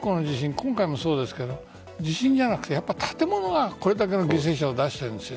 今回もそうですけど地震じゃなくて建物がこれだけの犠牲者を出しているんですよ。